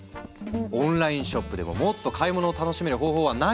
オンラインショップでももっと買い物を楽しめる方法はないの？